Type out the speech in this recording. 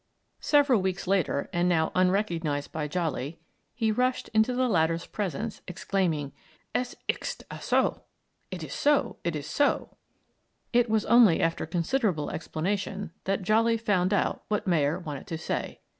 Several weeks later, and now unrecognised by Jolly, he rushed into the latter's presence exclaiming: "Es ischt aso!" (It is so, it is so!) It was only after considerable explanation that Jolly found out what Mayer wanted to say.